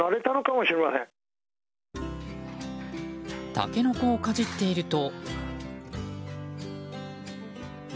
タケノコをかじっていると。